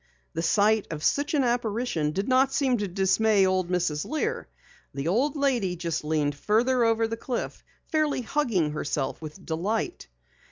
The sight of such an apparition did not seem to dismay old Mrs. Lear. The old lady leaned farther over the cliff, fairly hugging herself with delight.